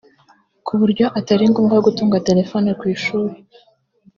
ku buryo Atari ngombwa gutunga telephone ku ishuri